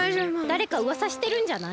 だれかうわさしてるんじゃない？